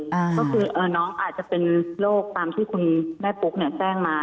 ก็คือน้องอาจจะเป็นโรคตามที่คุณแม่ปุ๊กเนี่ยแจ้งมา